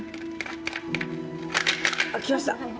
あっ来ました。